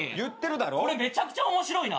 めちゃくちゃ面白いな。